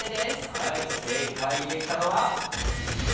はい正解できたのは。